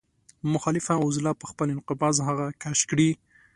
مخالفه عضله په خپل انقباض هغه کش کړي.